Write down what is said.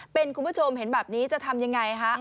เป็นคุณผู้ชมเห็นแบบนี้จะทำยังไงฮะ